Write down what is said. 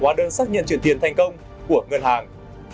hóa đơn xác nhận chuyển tiền thành công của ngân hàng